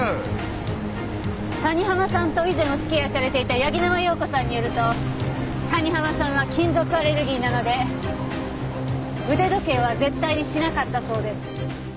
谷浜さんと以前お付き合いされていた柳沼洋子さんによると谷浜さんは金属アレルギーなので腕時計は絶対にしなかったそうです。